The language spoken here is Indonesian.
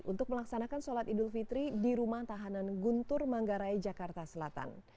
untuk melaksanakan sholat idul fitri di rumah tahanan guntur manggarai jakarta selatan